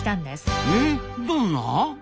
えどんな？